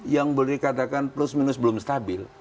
yang boleh dikatakan plus minus belum stabil